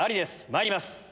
まいります